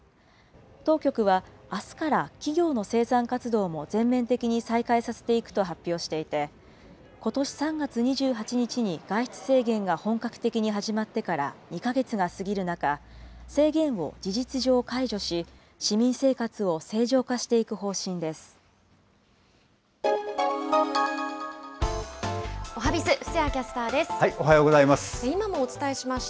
当局はあすから企業の生産活動も全面的に再開させていくと発表していて、ことし３月２８日に外出制限が本格的に始まってから２か月が過ぎる中、制限を事実上解除し、市民生活を正常化していく方おはＢｉｚ、布施谷キャスタおはようございます。